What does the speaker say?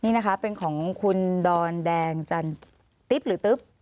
นี่นะคะเป็นของคุณดอนแดงจันติ๊บหรือตึ๊บ